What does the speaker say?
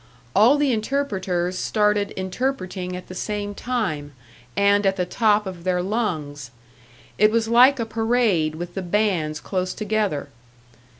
All the interpreters started interpreting at the same time and at the top of their lungs; it was like a parade with the bands close together!